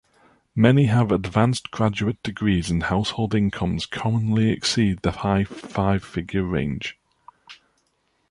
Many have advanced graduate degrees and household incomes commonly exceed the high five-figure range.